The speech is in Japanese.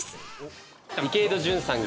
池井戸潤さん